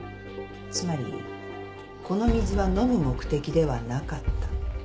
つまりこの水は飲む目的ではなかった。